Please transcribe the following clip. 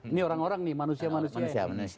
ini orang orang nih manusia manusia